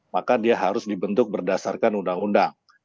maka dia harus dibentuk berdasarkan undang undang